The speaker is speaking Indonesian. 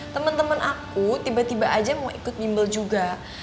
temen temen aku tiba tiba aja mau ikut mimble juga